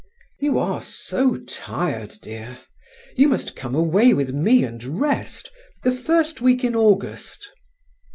"You are so tired, dear. You must come away with me and rest, the first week in August."